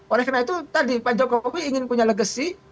oleh karena itu tadi pak jokowi ingin punya legacy